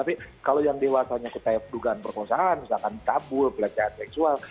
tapi kalau yang dewasanya setelah dugaan perkosaan misalkan tabu pelajaran seksual